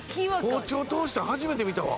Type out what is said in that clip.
包丁通したの初めて見たわ！